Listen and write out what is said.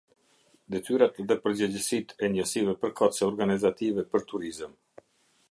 Detyrat dhe përgjegjësit e njësisë përkatëse organizative për turizëm.